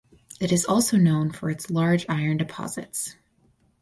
It is also known for its large iron deposits.